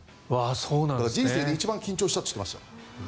だから、人生で一番緊張したと言ってました。